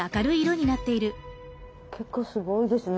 結構すごいですね